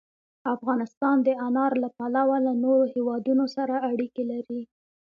افغانستان د انار له پلوه له نورو هېوادونو سره اړیکې لري.